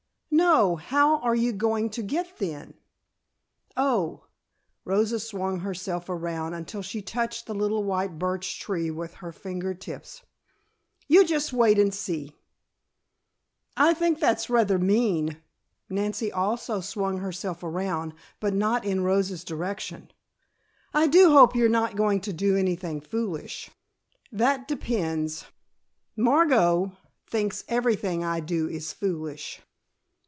"No. How are you going to get thin?" "Oh." Rosa swung herself around until she touched the little white birch tree with her finger tips. "You just wait and see!" "I think that's rather mean." Nancy also swung herself around but not in Rosa's direction. "I do hope you are not going to do anything foolish." "That depends. Margot thinks everything I do is foolish."